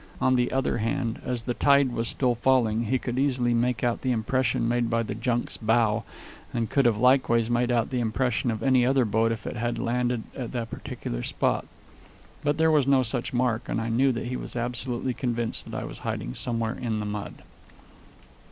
On the other hand, as the tide was still falling, he could easily make out the impression made by the junk's bow, and could have likewise made out the impression of any other boat if it had landed at that particular spot. But there was no such mark; and I knew that he was absolutely convinced that I was hiding somewhere in the mud.